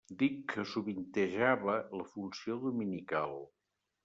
Dic que sovintejava la funció dominical.